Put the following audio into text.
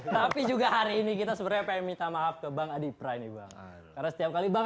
tapi juga hari ini kita seberapa yang minta maaf ke bang adi prani banget karena setiap kali bang